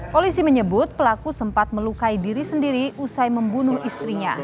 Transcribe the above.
polisi menyebut pelaku sempat melukai diri sendiri usai membunuh istrinya